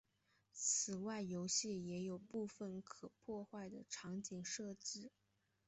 此外游戏也有部分可破坏的场景设计。